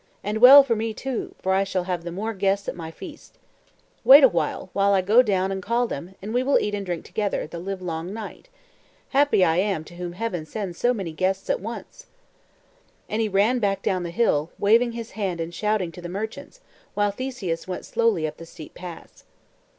And well for me, too, for I shall have the more guests at my feast. Wait awhile till I go down and call them, and we will eat and drink together the livelong night. Happy am I, to whom Heaven sends so many guests at once!" And he ran back down the hill, waving his hand and shouting to the merchants, while Theseus went slowly up the steep pass.